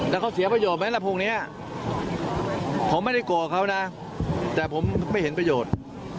แล้วเขาเสียประโยชนไหมล่ะพวกนี้ผมไม่ได้โกรธเขานะแต่ผมไม่เห็นประโยชน์